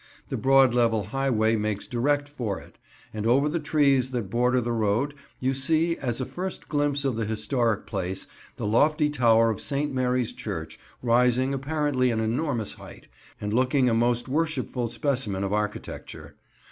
The broad level highway makes direct for it, and over the trees that border the road you see, as a first glimpse of the historic place, the lofty tower of St. Mary's church, rising apparently an enormous height, and looking a most worshipful specimen of architecture.